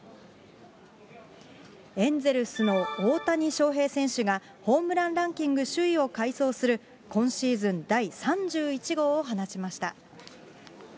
エンゼルスの大谷翔平選手が、ホームランランキング首位を快走する今シーズン第３１号を放ちました。